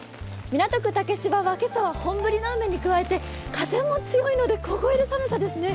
港区竹芝は今朝は本降りの雨に加えて風も強いので凍える寒さですね。